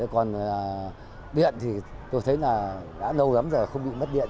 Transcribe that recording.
còn điện thì tôi thấy là đã lâu lắm giờ không bị mất điện